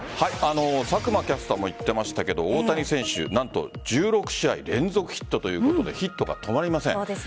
佐久間キャスターも言っていましたが、大谷選手なんと１６試合連続ヒットということでヒットが止まりません。